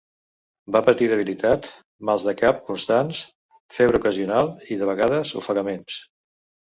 Va patir debilitat, mals de cap constants, febre ocasional i, de vegades, ofegaments.